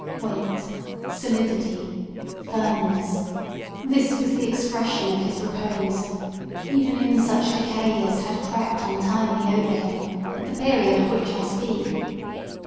Weight, solidity, firmness—this was the expression of his repose, even in such decay as had crept untimely over him at the period of which I speak.